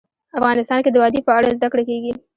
افغانستان کې د وادي په اړه زده کړه کېږي.